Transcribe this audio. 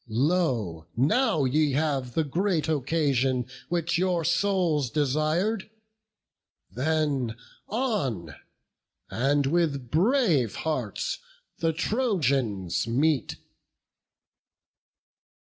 Lo! now ye have The great occasion which your souls desir'd! Then on, and with brave hearts the Trojans meet!"